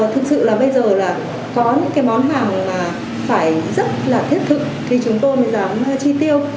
thực sự là bây giờ là có những cái món hàng mà phải rất là thiết thực khi chúng tôi mới dám chi tiêu